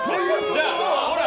じゃあ、ほら！